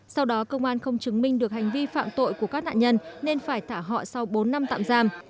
sau đó công an không chứng minh được hành vi phạm tội của các nạn nhân nên phải thả họ sau bốn năm tạm giam